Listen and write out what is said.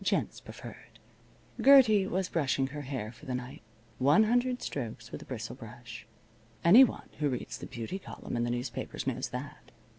Gents preferred) Gertie was brushing her hair for the night. One hundred strokes with a bristle brush. Anyone who reads the beauty column in the newspapers knows that.